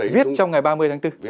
viết trong ngày ba mươi tháng bốn